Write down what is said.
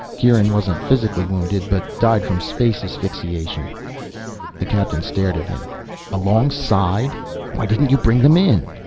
Kieran wasn't physically wounded, but died from space asphyxiation." The captain stared at him. "Alongside? Why didn't you bring them in?